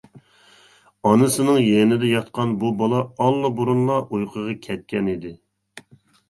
ئانىسىنىڭ يېنىدا ياتقان بۇ بالا ئاللىبۇرۇنلا ئۇيقۇغا كەتكەنىدى.